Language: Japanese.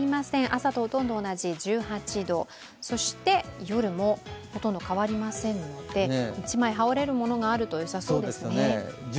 朝とほとんど同じ１８度、そして夜もほとんど変わりませんので、１枚羽織れるものがあると良さそうですね。